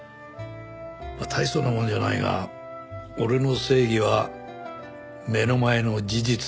まあ大層なもんじゃないが俺の正義は目の前の事実と向き合い